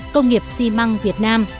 công nghiệp xi măng việt nam